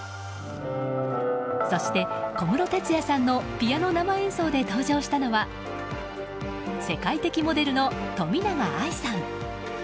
そして、小室哲哉さんのピアノ生演奏で登場したのは世界的モデルの冨永愛さん。